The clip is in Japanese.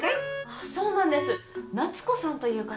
そうなんです夏子さんという方が。